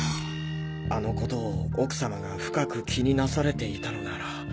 あのことを奥様が深く気になされていたのなら。